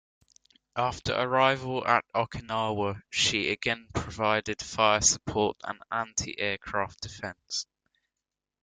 After arrival at Okinawa, she again provided fire support and anti-aircraft defense.